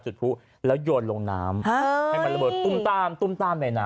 จุดผู้แล้วโยนลงน้ำให้มันระเบิดตุ้มตามตุ้มตามในน้ำ